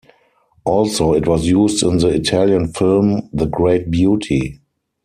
Also it was used in the Italian film "The Great Beauty".